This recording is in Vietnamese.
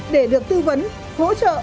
để được tư vấn hỗ trợ